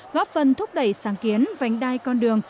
góp phần thúc đẩy sáng kiến vánh đai con đường